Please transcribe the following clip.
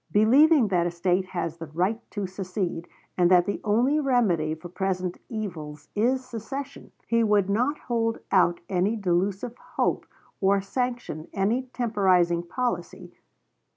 Believing that a State has the right to secede, and that the only remedy for present evils is secession, he would not hold out any delusive hope or sanction any temporizing policy.